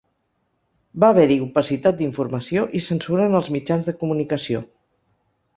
Va haver-hi opacitat d’informació i censura en els mitjans de comunicació.